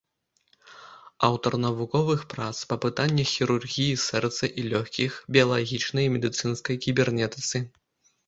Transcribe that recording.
Аўтар навуковых прац па пытаннях хірургіі сэрца і лёгкіх, біялагічнай і медыцынскай кібернетыцы.